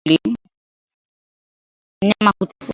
Mnyama kutafuta mahali pa kivuli